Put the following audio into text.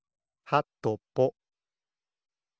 はとぽ。